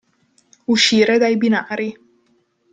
Uscire dai binari.